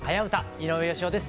井上芳雄です。